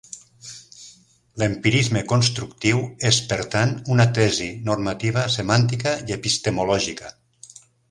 L'empirisme constructiu és, per tant, una tesi normativa, semàntica i epistemològica.